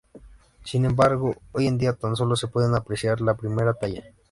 Sin embargo, hoy en día tan sólo se puede apreciar la primera talla.